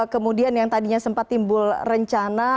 kemudian yang tadinya sempat timbul rencana